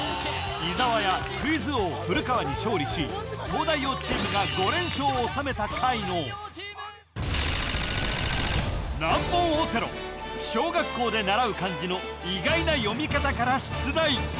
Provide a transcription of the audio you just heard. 伊沢やクイズ王・古川に勝利し東大王チームが５連勝をおさめた回の難問オセロ小学校で習う漢字の意外な読み方から出題